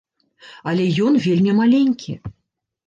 Але ён вельмі маленькі.